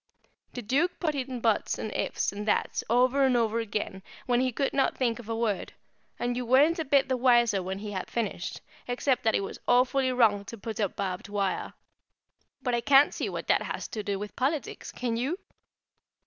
The Duke put in "buts" and "ifs" and "thats" over and over again when he could not think of a word, and you weren't a bit the wiser when he had finished, except that it was awfully wrong to put up barbed wire; but I can't see what that has to do with politics, can you?